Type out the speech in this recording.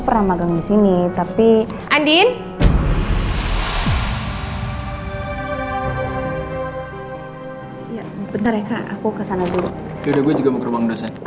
pernah magang di sini tapi adin ya bentar ya kak aku kesana dulu udah gue juga mau ke rumah dosen ya